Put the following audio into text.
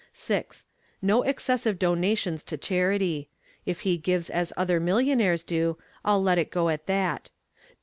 6. No excessive donations to charity. If he gives as other millionaires do I'll let it go at that.